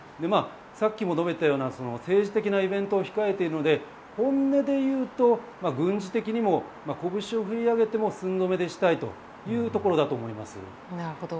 さっきも述べたような政治的なイベントを控えているので本音でいうと軍事的にも拳を振り上げても寸止めにしたいというところだと思います。